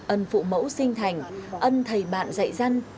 ân phụ mẫu sinh thành ân thầy bạn dạy dân